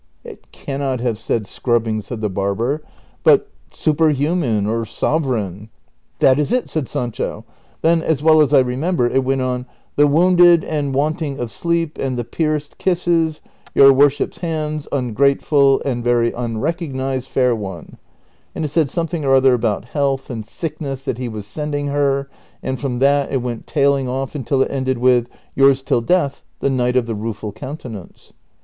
"" It cannot have said ' scrubbing,' said the barber, " but ' superhuman ' or sovereign.' "" That is it," said Sancho ;"• then, as well as I remember, it went on, ' The wounded, and wanting of sleep, and the pierced, kisses your worship's hands, ungrateful and very unrecognized fair one ;' and it said something or other about health and sickness that he was sending her ; and from that it went tail ing off until it ended with ' Yours till death, the Knight of the Rueful Countenance.'